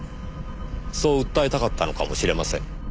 そう訴えたかったのかもしれません。